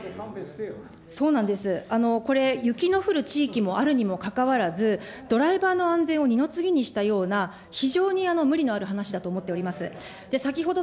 遭難です、、雪の降る地域もあるにもかかわらず、ドライバーの安全を二の次にしたような、非常に無理のある話だと思っております。